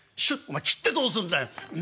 「お前切ってどうすんだよ」。